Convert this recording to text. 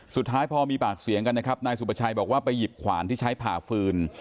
สุดท้ายพอมีปากเสียงกันนะครับนายสุประชัยบอกว่าไปหยิบขวานที่ใช้ผ่าฟืน